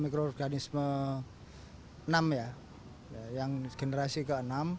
mikroorganisme enam ya yang generasi ke enam